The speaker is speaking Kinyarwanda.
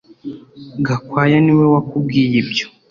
Gakwaya niwe wakubwiye ibyo